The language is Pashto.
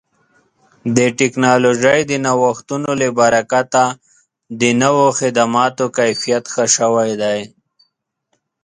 د ټکنالوژۍ د نوښتونو له برکته د نوو خدماتو کیفیت ښه شوی دی.